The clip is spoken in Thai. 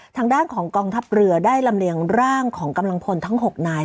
ทางด้านของกองทัพเรือได้ลำเลียงร่างของกำลังพลทั้ง๖นาย